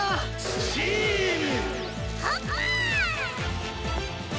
スチーム！